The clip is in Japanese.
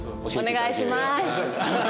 お願いします。